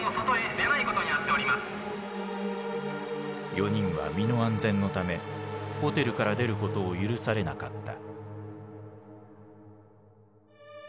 ４人は身の安全のためホテルから出ることを許されなかった。